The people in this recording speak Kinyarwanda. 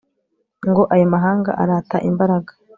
ngo ayo mahanga arata imbaraga